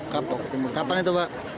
kapan itu pak